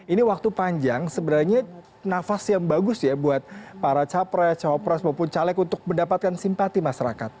ini waktu panjang sebenarnya nafas yang bagus ya buat para capres cawapres maupun caleg untuk mendapatkan simpati masyarakat